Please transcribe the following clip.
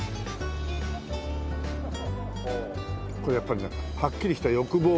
これやっぱりねはっきりした欲望がね